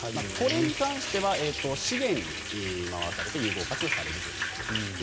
これに関しては資源に回されて有効活用されるということです。